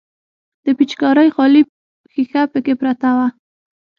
د پيچکارۍ خالي ښيښه پکښې پرته وه.